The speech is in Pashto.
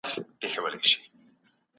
د طبیعي سرچینو وېش باید د عدالت له مخې وسي.